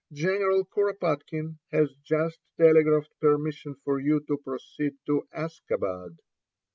General Kuropatkine has just telegraphed permission for you to proceed to Askabad."